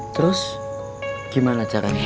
terus gimana caranya